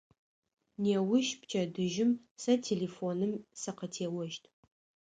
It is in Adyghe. Неущ, пчэдыжьым, сэ телефоным сыкъытеощт.